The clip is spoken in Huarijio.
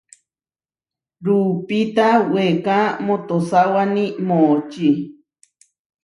Ruupita weeká motosáwani moʼočí.